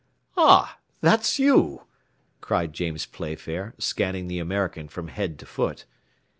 "Ah! that's you," cried James Playfair, scanning the American from head to foot.